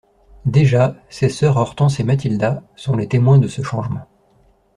Déjà, ses sœurs, Hortense et Matilda sont les témoins de ce changement.